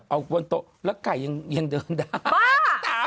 เอาบนโต๊ะแล้วไก่ยังเดินด่า